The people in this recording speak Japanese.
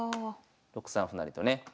６三歩成とね。